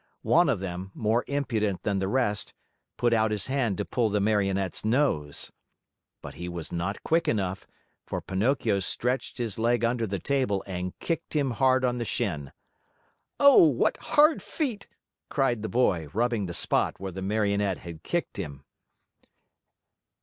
One of them, more impudent than the rest, put out his hand to pull the Marionette's nose. But he was not quick enough, for Pinocchio stretched his leg under the table and kicked him hard on the shin. "Oh, what hard feet!" cried the boy, rubbing the spot where the Marionette had kicked him.